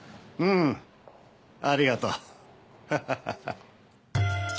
うんありがとう。